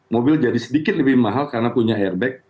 mobil jadi sedikit lebih mahal karena punya airbag